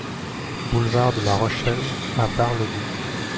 Boulevard de la Rochelle à Bar-le-Duc